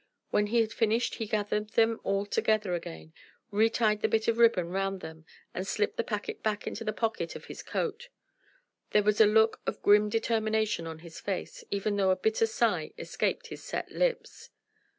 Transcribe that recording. When he had finished he gathered them all together again, retied the bit of ribbon round them and slipped the packet back into the pocket of his coat. There was a look of grim determination on his face, even though a bitter sigh escaped his set lips.